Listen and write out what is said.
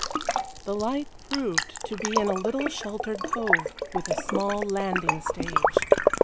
The light proved to be in a little sheltered cove, with a small landing stage.